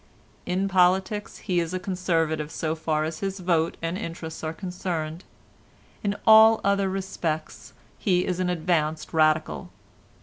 In politics he is a Conservative so far as his vote and interest are concerned. In all other respects he is an advanced Radical.